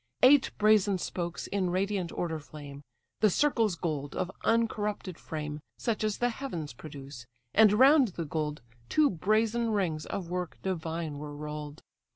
Eight brazen spokes in radiant order flame; The circles gold, of uncorrupted frame, Such as the heavens produce: and round the gold Two brazen rings of work divine were roll'd.